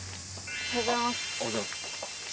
おはようございます。